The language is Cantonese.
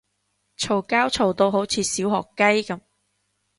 嘈交嘈到好似小學雞噉